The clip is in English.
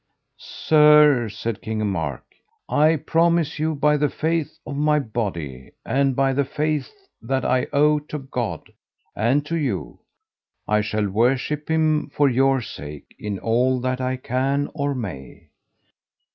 Sir, said King Mark, I promise you by the faith of my body, and by the faith that I owe to God and to you, I shall worship him for your sake in all that I can or may.